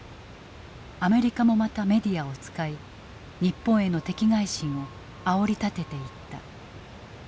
アメリカもまたメディアを使い日本への敵愾心をあおり立てていった。